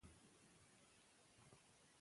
بهبود خان د خپلې تباهۍ خبره وکړه.